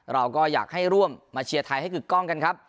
เราก็อยากให้ร่วมมาเชียร์ไทยให้กึกกล้องกันครับ